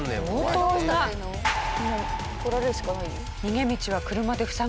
もう取られるしかない？